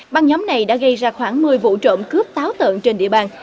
băng nhóm này đã gây ra khoảng một mươi vụ trộm cướp táo tợn trên địa bàn